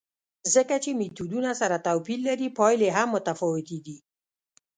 ځکه چې میتودونه سره توپیر لري، پایلې هم متفاوتې دي.